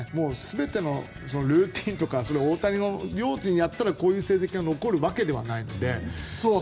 全てのルーティンとか大谷のルーティンをやったらこういう成績が残るわけではないので。